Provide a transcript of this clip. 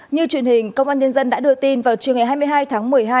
như truyền hình công an nhân dân đã đưa tin vào chiều ngày hai mươi hai tháng một mươi hai